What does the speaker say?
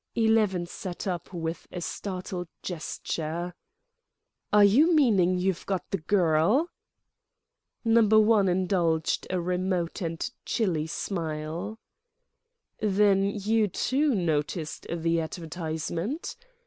Eleven sat up with a startled gesture. "Are you meaning you've got the girl?" Number One indulged a remote and chilly smile. "Then you, too, noticed the advertisement?